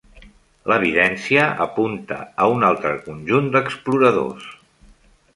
L'evidència apunta a un altre conjunt d'exploradors.